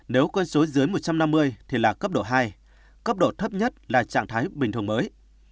nếu con số dưới một trăm năm mươi thì là cấp độ hai cấp độ thấp nhất là trạng thái bình thường mới